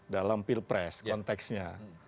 dalam pilpres konteksnya